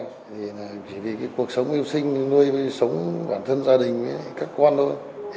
thì chỉ vì cái cuộc sống yêu sinh nuôi sống bản thân gia đình với các con thôi